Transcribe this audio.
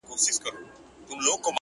پرمختګ د ثابتې ارادې محصول دی!.